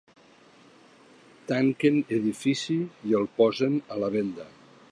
Tanquen edifici i el posen a la venda